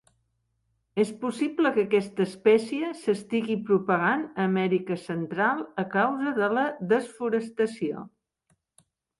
És possible que aquesta espècie s'estigui propagant a Amèrica Central a causa de la desforestació.